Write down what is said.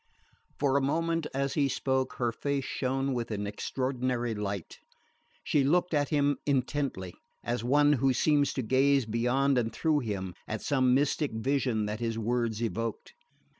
For a moment, as he spoke, her face shone with an extraordinary light. She looked at him intently, as one who seemed to gaze beyond and through him, at some mystic vision that his words evoked.